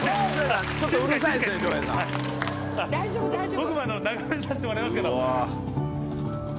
僕も眺めさせてもらいますけど。